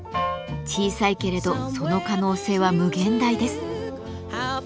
小さいけれどその可能性は無限大です。